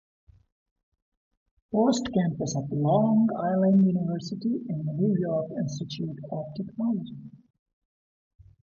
Post Campus of Long Island University and the New York Institute of Technology.